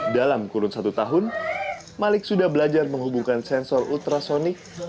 dalam kurun satu tahun malik sudah belajar menghubungkan sensor ultrasonic